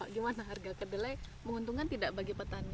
gimana harga kedelai menguntungkan tidak bagi petani